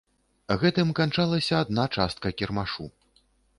Гэтым канчалася адна частка кірмашу.